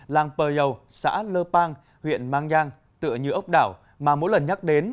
làng pèo xã lơ pang huyện mang giang tựa như ốc đảo mà mỗi lần nhắc đến